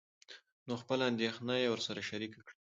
نو خپله اندېښنه يې ورسره شريکه کړه.